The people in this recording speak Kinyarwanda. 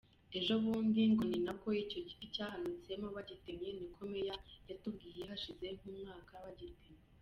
Ejobundi ngo ninabwo icyo giti yahanutsemo bagitemye niko Meya yatubwiye, hashize nk’umwaka bagitemye.